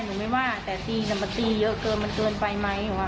หนูไม่ว่าแต่ตีมันตีเยอะเกินมันเกินไปไหม